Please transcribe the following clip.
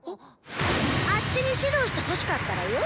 あッチに指導してほしかったらよ